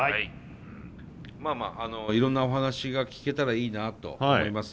まあまあいろんなお話が聞けたらいいなと思います。